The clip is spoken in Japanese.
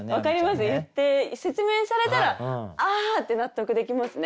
言って説明されたらあって納得できますね。